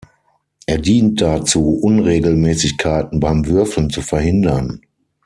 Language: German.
Er dient dazu, Unregelmäßigkeiten beim Würfeln zu verhindern.